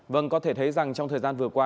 vâng có thể thấy rằng trong thời gian vừa qua